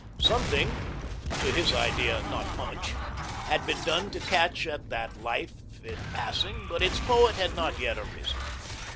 Something (to his idea not much) had been done to catch at that life in passing, but its poet had not yet arisen.